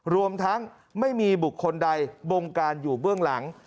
รวมทั้งไม่มีบุคคลใดบงการอยู่เบื้องหลัง